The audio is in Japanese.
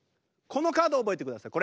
このカード覚えてください